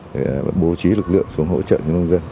để bố trí lực lượng xuống hỗ trợ cho nông dân